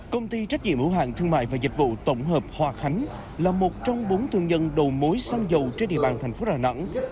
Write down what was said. công ty trách nhiệm hữu hạng thương mại và dịch vụ tổng hợp hòa khánh là một trong bốn thương nhân đầu mối xăng dầu trên địa bàn thành phố đà nẵng